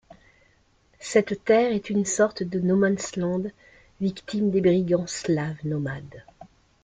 Cette terre est une sorte de no man's land victime des brigands slaves nomades.